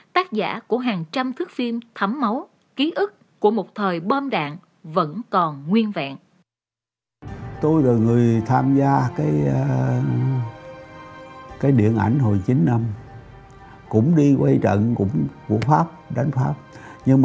tác giả của hàng trăm thước phim thấm máu ký ức của một thời bom đạn vẫn còn nguyên vẹn